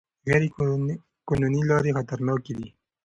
غیر قانوني لارې خطرناکې دي.